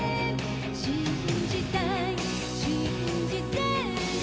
「信じたい信じてる」